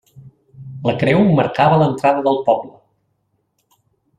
La creu marcava l'entrada del poble.